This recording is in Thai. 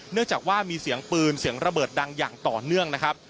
เนื่องจากว่ามีเสียงปืนเสียงระเบิดดังอย่างต่อเนื่องนะครับ